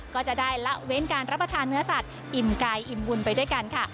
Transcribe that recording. ก็จะได้ละเว้นการรับประทานเนื้อสัตว์อิ่มกายอิ่มบุญไปด้วยกันค่ะ